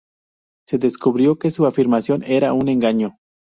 Se descubrió que su afirmación era un engaño.